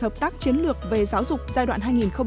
hợp tác chiến lược về giáo dục giai đoạn